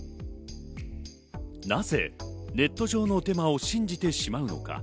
なぜネット上のデマを信じてしまうのか？